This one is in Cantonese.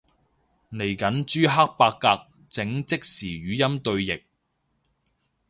嚟緊朱克伯格整即時語音對譯